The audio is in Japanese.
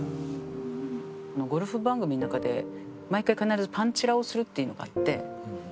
ゴルフ番組の中で毎回必ずパンチラをするっていうのがあって。